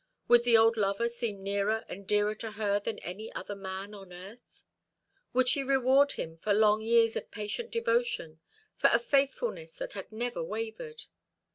Would the old lover seem nearer and dearer to her than any other man on earth? Would she reward him for long years of patient devotion, for a faithfulness that had never wavered?